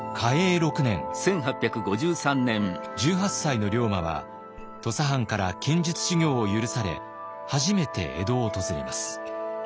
１８歳の龍馬は土佐藩から剣術修行を許され初めて江戸を訪れます。